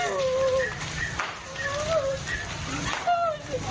อุ๊ยมีรถน้ำเลยอ่ะ